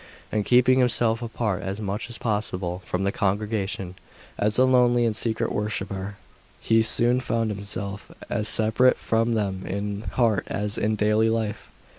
And keeping himself apart as much as possible from the congregation, as a lonely and secret worshipper, he soon found himself as separate from them in heart as in daily life.